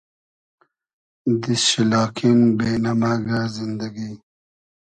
دیست شی لاکین بې نئمئگۂ زیندئگی